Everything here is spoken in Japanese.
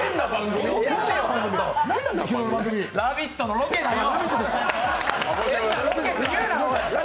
「ラヴィット！」のロケだよ！